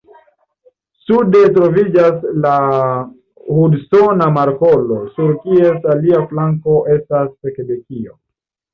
Sude troviĝas la Hudsona Markolo, sur kies alia flanko estas Kebekio.